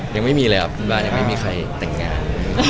ยังไม่มีเลยครับที่บ้านยังไม่มีใครแต่งงาน